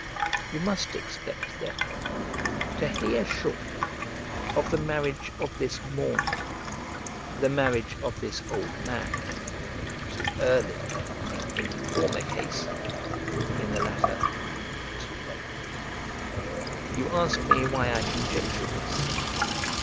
You must expect, therefore, to hear shortly of the marriage of this mourner, the marriage of this old man; too early in the former case, in the latter, too late. You ask me why I conjecture this?